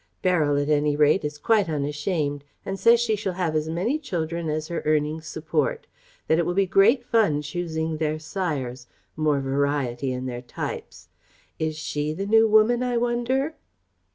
Beryl, at any rate, is quite unashamed, and says she shall have as many children as her earnings support ... that it will be great fun choosing their sires more variety in their types.... Is she the New Woman, I wonder?"